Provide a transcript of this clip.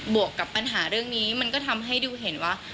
วกกับปัญหาเรื่องนี้มันก็ทำให้ดิวเห็นว่า